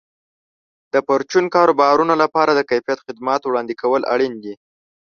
د پرچون کاروبارونو لپاره د کیفیت خدماتو وړاندې کول اړین دي.